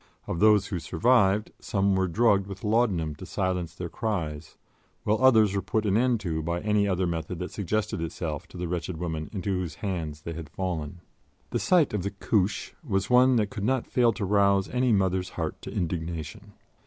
Of those who survived, some were drugged with laudanum to silence their cries, while others were put an end to by any other method that suggested itself to the wretched women into whose hands they had fallen. The sight of the "Couche" was one that could not fail to rouse any mother's heart to indignation.